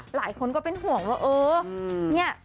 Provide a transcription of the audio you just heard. หลายคนก็เป็นห่วงว่า